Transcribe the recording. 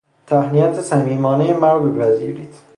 تهنیت صمیمانهی مرا بپذیرید.